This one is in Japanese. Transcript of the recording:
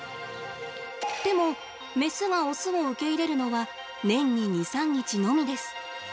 でも、メスがオスを受け入れるのは年に２３日のみです。